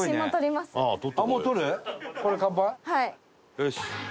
よし。